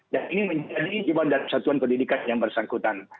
dan ini menjadi kebijakan dari satuan pendidikan yang bersangkutan